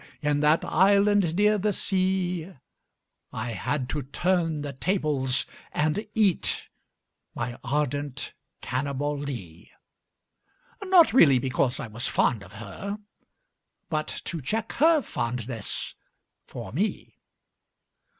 In that island near the sea, I had to turn the tables and eat My ardent Cannibalee — Not really because I was fond of her, But to check her fondness for me.